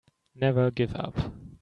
Never give up.